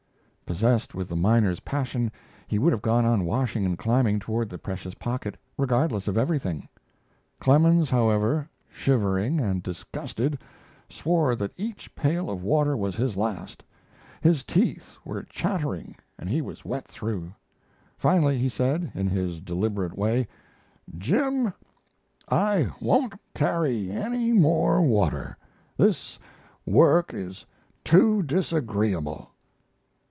Possessed with the miner's passion, he would have gone on washing and climbing toward the precious pocket, regardless of everything. Clemens, however, shivering and disgusted, swore that each pail of water was his last. His teeth were chattering and he was wet through. Finally he said, in his deliberate way: "Jim, I won't carry any more water. This work is too disagreeable."